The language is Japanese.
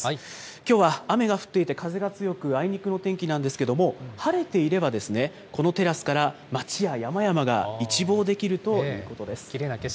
きょうは雨が降っていて、風が強く、あいにくの天気なんですけれども、晴れていれば、このテラスから街や山々が一望できるということです。